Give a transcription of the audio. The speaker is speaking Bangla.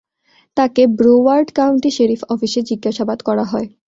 তাঁকে ব্রুওয়ার্ড কাউন্টি শেরিফ অফিসে জিজ্ঞাসাবাদ করা হয়।